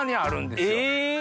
え。